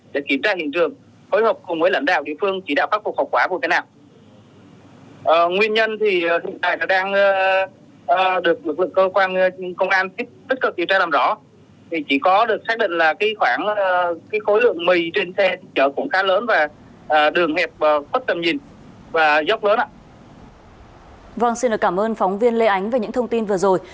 vâng xin được cảm ơn phóng viên lê ánh về những thông tin vừa rồi